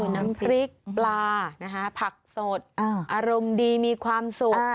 น้ำพริกปลานะคะผักสดอารมณ์ดีมีความสุข